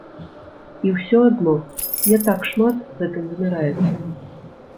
І ўсё адно, не так шмат гэтым вымяраецца.